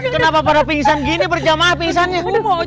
kenapa pada pingsan gini berjamaah pingsannya